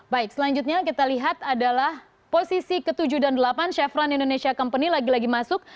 baik selanjutnya kita lihat adalah posisi ke tujuh dan delapan chevron indonesia company lagi lagi masuk